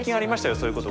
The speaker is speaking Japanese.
そういうことが。